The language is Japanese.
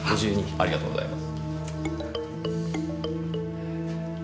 ありがとうございます。